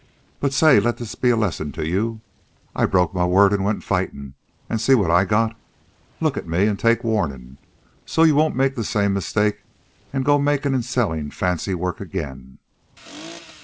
But, say, let this be a lesson to you. I broke my word an' went fightin', an' see what I got. Look at me, an' take warnin' so you won't make the same mistake an' go to makin' an' sellin' fancy work again....